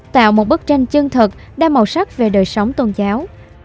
tạo một bức tranh chân thật đa màu sắc về đời sống tôn giáo